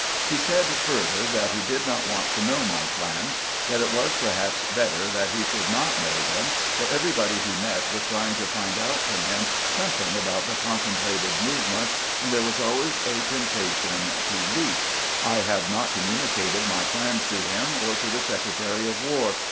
He said, further, that he did not want to know my plans ; that it was, perhaps, better that he should not know them, for everybody he met was trying to find out from him something about the contemplated movements, and there was always a temptation 'to leak.' I have not GBANT IN A COMMUNICATIVE MOOD 27 communicated my plans to him or to the Secretary of War.